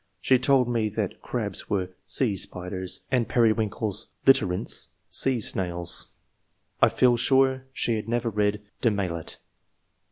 She told me that crabs were * sea spiders/ and periwinkles {UtKyrince) 'sea snails/ I feel sure she had never read * De Maillet